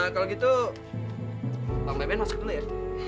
kalau gitu bang beben masuk dulu ya